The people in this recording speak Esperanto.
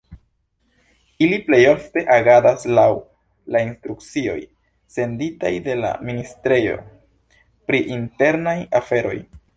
Ili plejofte agadas laŭ la instrukcioj senditaj de la ministrejo pri internaj aferoj.